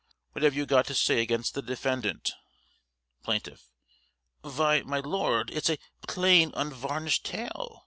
What have you got to say against the defendant? Plaintiff: Vy, my lord, it's "a plain unwarnished tale."